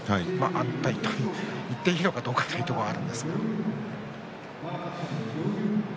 安定と言っていいのかどうかというところなんですが。